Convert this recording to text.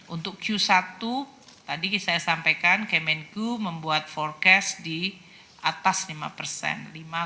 untuk q satu tadi saya sampaikan kemenku membuat forecast di atas lima persen